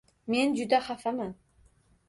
“Men juda xafaman”.